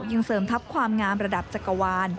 ยังเสริมทัพความงามระดับจักรวาล